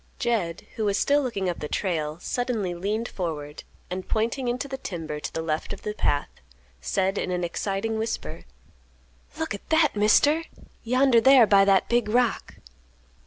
Jed, who was still looking up the trail, suddenly leaned forward, and, pointing into the timber to the left of the path, said in an exciting whisper, "Look at that, Mister; yonder thar by that big rock."